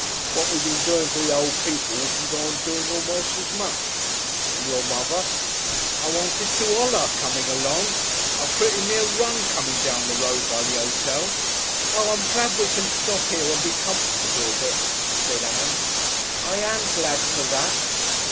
What we been doing for the o' people we can go on doing a'most as much. And your mother!... I wanted to 'oller coming along. I pretty near run coming down the road by the hotel." "Oh, I am glad we can stop 'ere and be comfortable a bit," said Ann. "I am glad for that."